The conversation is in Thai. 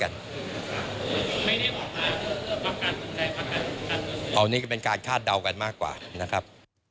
อันนี้ก็เป็นการคาดเดากันมากกว่านะครับ